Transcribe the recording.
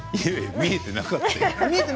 見えていなかったよ。